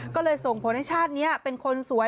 ก็เลยส่งผลให้ชาตินี้เป็นคนสวย